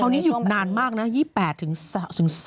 คราวนี้หยุดนานมากนะ๒๘ถึง๒